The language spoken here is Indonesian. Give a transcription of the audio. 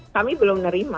kami belum menerima